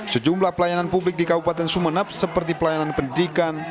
sejumlah pelayanan publik di kabupaten sumeneb seperti pelayanan pendidikan